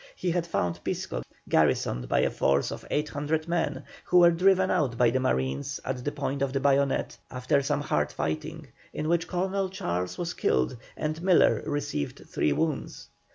He had found Pisco garrisoned by a force of 800 men, who were driven out by the marines at the point of the bayonet after some hard fighting, in which Colonel Charles was killed and Miller received three wounds.